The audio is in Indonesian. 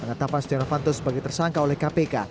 pengetahuan stiano fantos sebagai tersangka oleh kpk